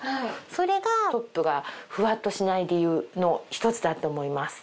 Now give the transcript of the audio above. それがトップがふわっとしない理由の一つだと思います。